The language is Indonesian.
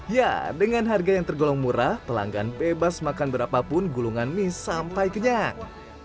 ya dengan harga yang tergolong murah pelanggan bebas makan berapapun gulungan mie sampai kenyang